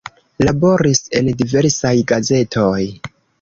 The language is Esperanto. Laboris en diversaj gazetoj.